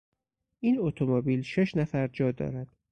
این اتومبیل شش نفر جا دارد.